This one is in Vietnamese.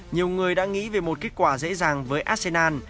nhiều người đã nghĩ về một kết quả dễ dàng với arsenal